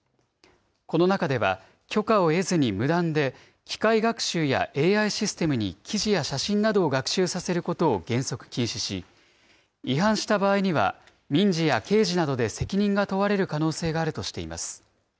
この中では、許可を得ずに無断で、機械学習やＡＩシステムに記事や写真などを学習させることを原則禁止し、違反した場合には、民事や刑事などで責任が問われる可能性があるとしています。